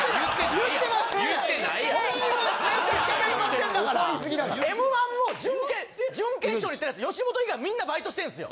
・怒りすぎだから・『Ｍ−１』も準決勝いってるやつ吉本以外みんなバイトしてんすよ。